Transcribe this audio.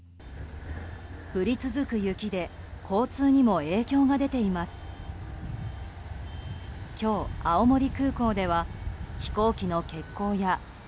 降り続く雪で交通にも影響が出ています。